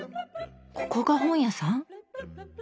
ここが本屋さん？